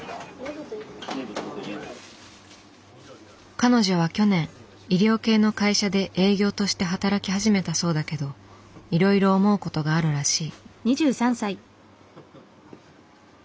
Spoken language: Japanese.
彼女は去年医療系の会社で営業として働き始めたそうだけどいろいろ思うことがあるらしい。